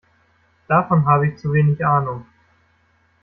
Davon habe ich zu wenig Ahnung.